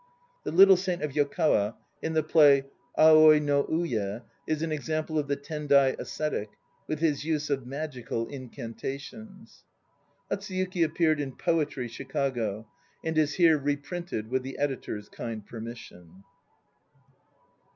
The Little Saint of Yokawa in the play Aoi no Uye is an example of the Tendai ascetic, with his use of magical incantations. Hatsuyuki appeared in "Poetry," Chicago, and is here reprinted with the editor's kind permission.